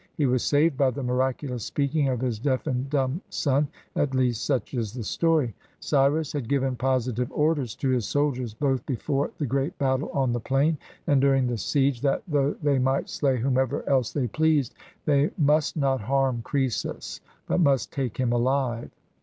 He was saved by the miraculous speaking of his deaf and dumb son — at least, such is the story. Cyrus had given positive orders to his soldiers, both before the 324 HOW CYRUS WON THE LAND OF GOLD great battle on the plain and during the siege, that, though they might slay whomever else they pleased, they must not harm Croesus, but must take him alive.